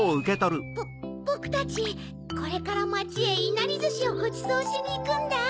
ぼくたちこれからまちへいなりずしをごちそうしにいくんだ。